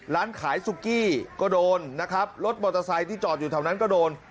ร้านขายซุกี้ก็โดนนะครับรถมอเตอร์ไซค์ที่จอดอยู่แถวนั้นก็โดน